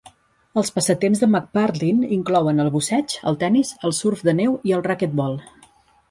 Els passatemps de McPartlin inclouen el busseig, el tennis, el surf de neu i el raquetbol.